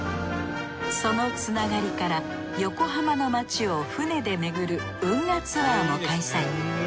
そのつながりから横浜の街を船で巡る運河ツアーも開催。